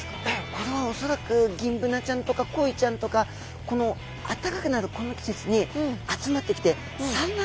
これはおそらくギンブナちゃんとかコイちゃんとかこのあったかくなるこの季節に集まってきて産卵。